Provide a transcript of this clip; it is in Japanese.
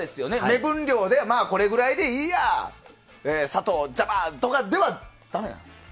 目分量で、これぐらいでいいや砂糖ジャバーとかではダメなんですか？